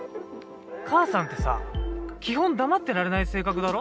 母さんってさ基本黙ってられない性格だろ？